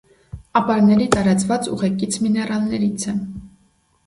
Ապարների տարածված ուղեկից միներալներից է։